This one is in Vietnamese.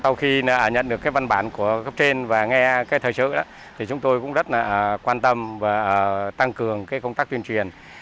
sau khi nhận được văn bản của cấp trên và nghe thời trữ chúng tôi cũng rất quan tâm và tăng cường công tác tuyên truyền